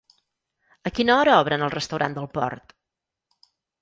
A quina hora obren el restaurant del Port?